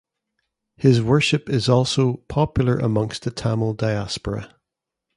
His worship is also popular amongst the Tamil diaspora.